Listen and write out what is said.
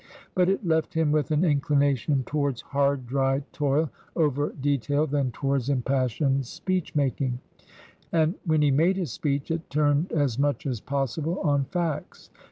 But it left him with an inclination towards hard, dry toil over de tail than towards impassioned speech making. And when he made a speech, it turned as much as possible on Facts.